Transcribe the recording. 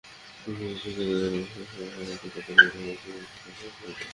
বিদ্যালয়ের শিক্ষার্থীরা জানায়, বিদ্যালয়ে সমবায় সমিতির কার্যালয় হওয়ায় তাদের লেখাপড়ায় অসুবিধা হচ্ছে।